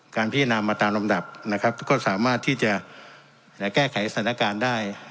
การพิจารณามาตามลำดับนะครับก็สามารถที่จะแก้ไขสถานการณ์ได้